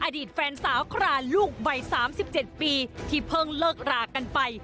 อดีตแฟนสาวคราลูกไว้สามสิบเจ็ดปีที่เพิ่งเลิกรากันไป